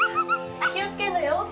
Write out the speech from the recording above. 気をつけるのよ。